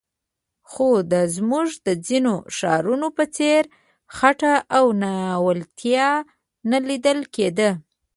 خو د زموږ د ځینو ښارونو په څېر خټه او ناولتیا نه لیدل کېده.